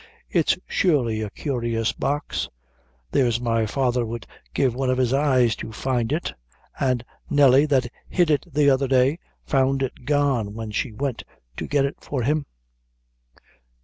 It's surely a curious box; there's my father would give one of his eyes to find it; an' Nelly, that hid it the other day, found it gone when she went to get it for him."